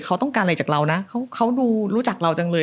เขาต้องการอะไรจากเรานะเขาดูรู้จักเราจังเลย